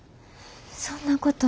そんなこと。